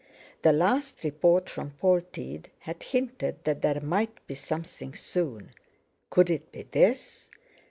The last report from Polteed had hinted that there might be something soon. Could it be this?